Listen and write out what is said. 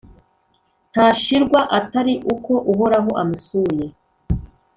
ntashirwa atari uko Uhoraho amusuye,